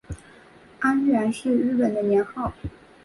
安元是日本的年号。